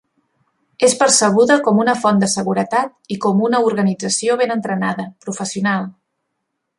És percebuda com una font de seguretat i com una organització ben entrenada, professional.